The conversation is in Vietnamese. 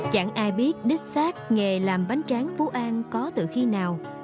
chẳng ai biết đích xác nghề làm bánh tráng phú an có từ khi nào